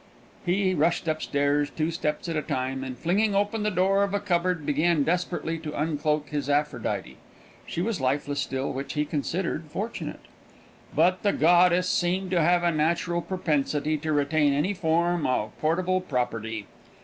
He rushed upstairs, two steps at a time, and, flinging open the door of a cupboard, began desperately to uncloak his Aphrodite. She was lifeless still, which he considered fortunate. But the goddess seemed to have a natural propensity to retain any form of portable property.